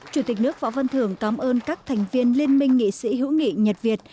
chủ tịch nước võ văn thưởng cảm ơn các thành viên liên minh nghị sĩ hữu nghị nhật việt